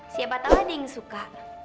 siapa tau ada yang suka